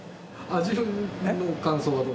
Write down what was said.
味の感想はどう。